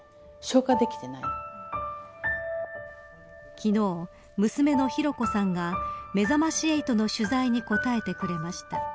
昨日、娘の寛子さんがめざまし８の取材に答えてくれました。